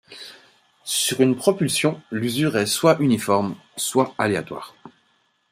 Sur une propulsion, l'usure est soit uniforme soit aléatoire.